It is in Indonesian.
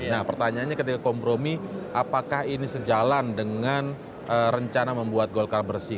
nah pertanyaannya ketika kompromi apakah ini sejalan dengan rencana membuat golkar bersih